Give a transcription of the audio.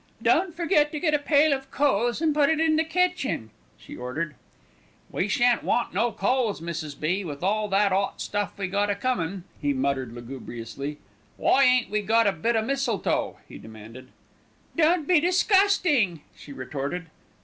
"Don't forget to get a pail of coals and put it in the kitchen," she ordered. "We shan't want no coals, Mrs. B., with all that 'ot stuff we got a comin'," he muttered lugubriously. "Why ain't we got a bit o' mistletoe?" he demanded. "Don't be disgusting," she retorted.